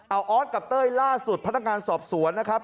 เอาออสกับเต้ยล่าสุดพนักงานสอบสวนนะครับ